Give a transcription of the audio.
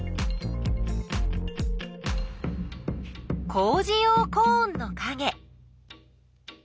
工じ用コーンのかげ。